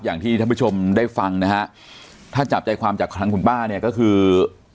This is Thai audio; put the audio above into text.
อย่างที่ท่านผู้ชมได้ฟังนะฮะถ้าจับใจความจากทางคุณป้าเนี่ยก็คือ